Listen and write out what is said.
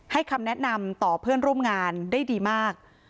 คำแนะนำต่อเพื่อนร่วมงานได้ดีมาก